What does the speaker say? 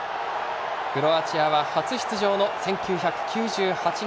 クロアチアは初出場の１９９８年